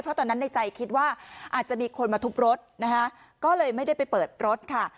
เพราะตอนนั้นในใจคิดว่าอาจจะมีคนมาทุบรถนะคะก็เลยไม่ได้ไปเปิดรถค่ะ